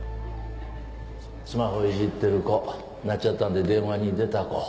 スマホをいじってる子鳴っちゃったんで電話に出た子。